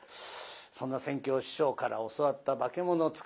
そんな扇橋師匠から教わった「化物使い」。